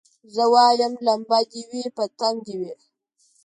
زه وايم لمبه دي وي پتنګ دي وي